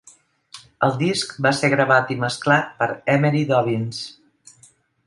El disc va ser gravat i mesclat per Emery Dobyns.